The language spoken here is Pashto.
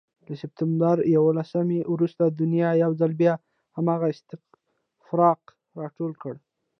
له سپتمبر یوولسمې وروسته دنیا یو ځل بیا هماغه استفراق راټول کړ.